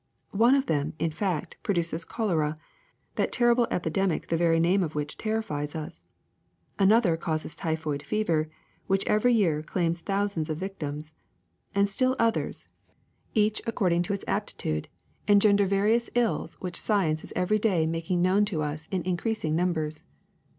One of them, in fact, produces cholera, that terrible epidemic the very name of which terrifies us ; another causes typhoid fever, which every year claims thousands of victims ; and still others, each according to its apti GERMS 319 tude, engender various ills which science is every day making known to us in increasing numbers.